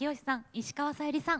石川さゆりさん